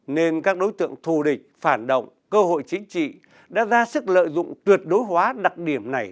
nên các đối tượng thù địch phản động cơ hội chính trị đã ra sức lợi dụng tuyệt đối hóa đặc điểm này